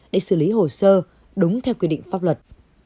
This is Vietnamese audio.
để xử lý hồ sơ đúng theo quy định pháp luật